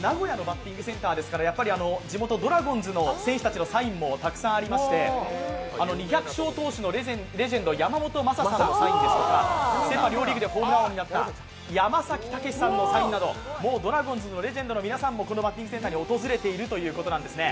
名古屋のバッティングセンターですから地元ドラゴンズのサインもたくさんありまして２００勝投手のレジェンド・山本昌さんのサインやセ・パ両リーグでホームラン王になった山崎武司さんのサインなど、もうドラゴンズのレジェンドの皆さんもこのバッティングセンターに訪れているということなんですね。